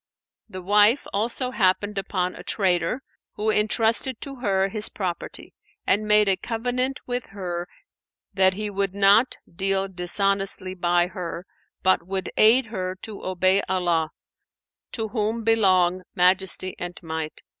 The wife also happened upon a trader who entrusted to her his property and made a covenant with her that he would not deal dishonestly by her, but would aid her to obey Allah (to whom belong Majesty and Might!)